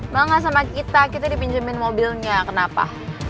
mel gak sama kita kita dipinjemin mobilnya kenapa